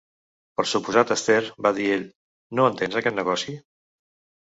"Per suposat, Esther," va dir ell, "no entens aquest negoci?"